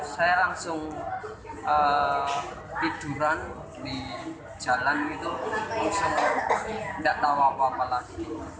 saya langsung tiduran di jalan gitu langsung nggak tahu apa apa lagi